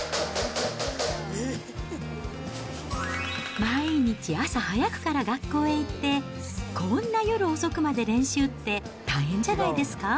毎日、朝早くから学校へ行って、こんな夜遅くまで練習って、大変じゃないですか？